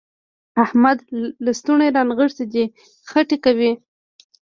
احمد لستوڼي رانغښتي دي؛ خټې کوي.